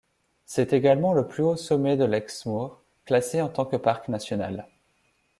C'est également le plus haut sommet de l'Exmoor, classé en tant que parc national.